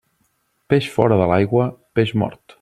Peix fora de l'aigua, peix mort.